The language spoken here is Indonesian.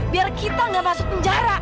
biar kita gak masuk penjara